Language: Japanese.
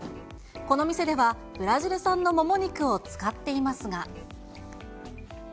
この店では、ブラジル産のもも肉を使っていますが。